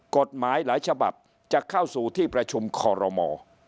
กฎหมายหลายฉบับจะเข้าสู่ที่ประชุมคอรมอ